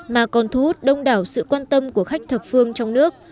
mà còn thu hút đông đảo sự quan tâm của khách thập phương trong nước